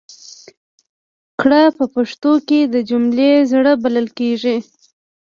کړ په پښتو کې د جملې زړه بلل کېږي.